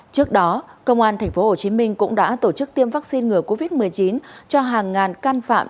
trước đó công an tp hcm cũng đã tổ chức tiêm vaccine ngừa covid một mươi chín cho hàng ngàn căn phạm